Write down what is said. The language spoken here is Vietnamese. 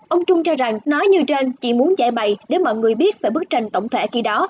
ông trung cho rằng nói như trên chỉ muốn giải bày để mọi người biết về bức tranh tổng thể khi đó